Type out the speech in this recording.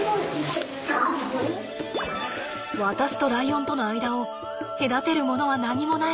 私とライオンとの間を隔てるものは何もない。